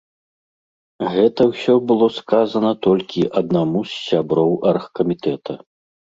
Гэта ўсё было сказана толькі аднаму з сяброў аргкамітэта.